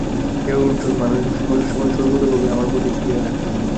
হে অর্জুন, মনুষ্যগণ সর্বতোভাবে আমার পথেই চলিয়া থাকে।